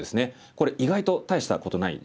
これ意外と大したことない地で。